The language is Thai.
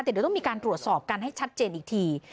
แต่เดี๋ยวต้องมีการตรวจสอบกันให้ชัดเจนอีกที